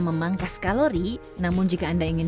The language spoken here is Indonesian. memangkas kalori namun jika anda ingin